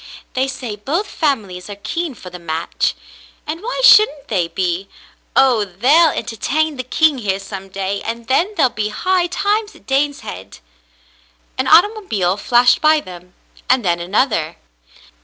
They say both families are keen for the match — and why shouldn't they be ? Oh, they'll entertain the king here some day, and then there'll be high times at Daneshead !" An automobile flashed by them, and then another.